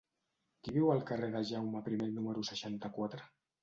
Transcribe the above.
Qui viu al carrer de Jaume I número seixanta-quatre?